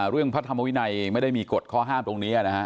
เรื่องพระธรรมวินัยไม่ได้มีกฎข้อห้ามตรงนี้